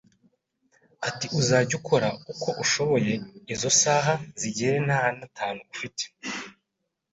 ati uzajya ukora uko ushoboye izo saha zigere nta n’atanu ufite,